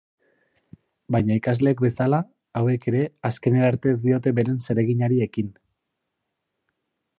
Baina ikasleek bezala, hauek ere azkenerarte ez diote beren zerreginari ekin.